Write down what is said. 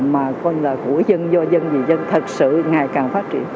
mà coi là của dân do dân vì dân thật sự ngày càng phát triển